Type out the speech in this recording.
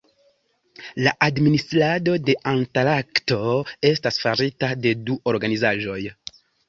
La administrado de Antarkto estas farita de du organizaĵoj.